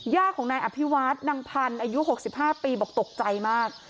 ย่าของนายอภิวัฒน์นางพันอายุหกสิบห้าปีบอกตกใจมาก